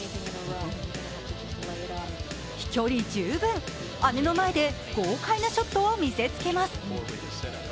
飛距離十分、姉の前で豪快なショットを見せつけます。